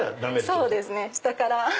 そうですね下から。